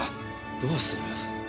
どうする？